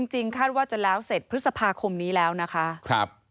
จริงคาดว่าจะแล้วเสร็จพฤษภาคมนี้แล้วนะคะ